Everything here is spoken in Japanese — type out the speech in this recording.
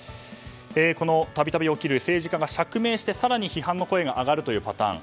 このたびたび起きる政治家が釈明して、更に批判の声が上がるというパターン。